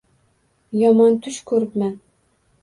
Yomon tush ko‘ribman